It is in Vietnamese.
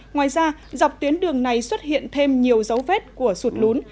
ngoài ra dọc tuyến đường này xuất hiện thêm nhiều dấu vết của sụt lún